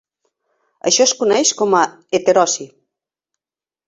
Això es coneix com a heterosi.